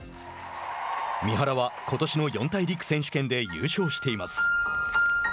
三原はことしの四大陸選手権で優勝しています。